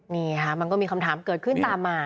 นี่ค่ะมันก็มีคำถามเกิดขึ้นตามมา